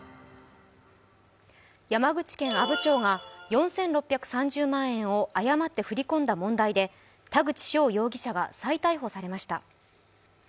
山口県阿武町が４６３０万円を誤って振り込んだ問題で、田口翔容疑者が再逮捕されました。